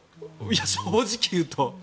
正直言うと。